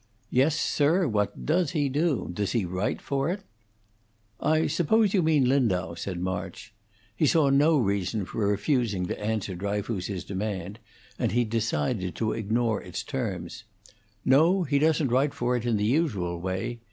"Yes, sir, what does he do? Does he write for it?" "I suppose you mean Lindau," said March. He saw no reason for refusing to answer Dryfoos's demand, and he decided to ignore its terms. "No, he doesn't write for it in the usual way.